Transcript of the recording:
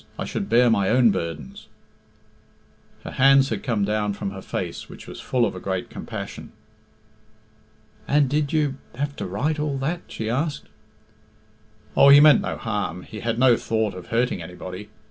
I should bear my own burdens." Her hands had come down from her face, which was full of a great compassion. "And did you have to write all that?" she asked. "Oh, he meant no harm. He had no thought of hurting anybody!